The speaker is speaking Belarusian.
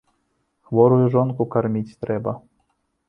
Хворую жонку карміць трэба.